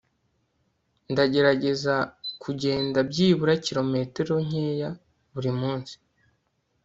Ndagerageza kugenda byibura kilometero nkeya buri munsi